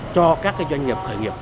cho các doanh nghiệp khởi nghiệp